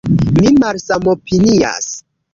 Mi malsamopinias.